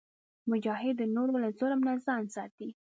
مجاهد د نورو له ظلم نه ځان ساتي.